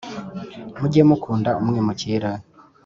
Mujye mukunda umwimukira